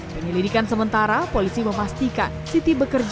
penyelidikan sementara polisi memastikan siti bekerja